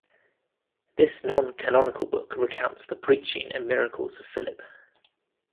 This non-canonical book recounts the preaching and miracles of Philip.